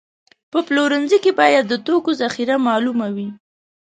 په پلورنځي کې باید د توکو ذخیره معلومه وي.